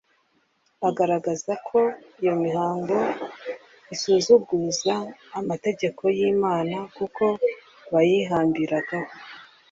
agaragaza ko iyo mihango isuzuguza amategeko y'Imana kuko bayihambiragaho